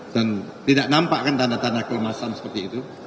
dan tidak nampak kan tanda tanda kelemasan seperti itu